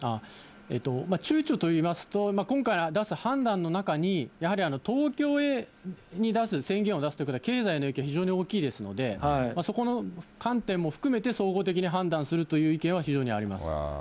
ちゅうちょといいますと、今回出す判断の中に、やはり東京に出す、宣言を出すということは、経済の影響が非常に大きいですので、そこの観点も含めて、総合的に判断するという意見は非常にあります。